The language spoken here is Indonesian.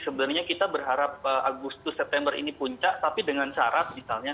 sebenarnya kita berharap agustus september ini puncak tapi dengan syarat misalnya